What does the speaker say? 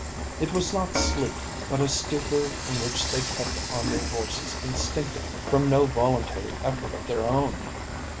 It was not sleep, but a stupor in which they kept on their horses instinctively, from no voluntary effort of their own.